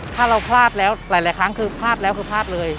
ถ้าเราพลาดแล้วหลายครั้งคือพลาดแล้วคือพลาดเลย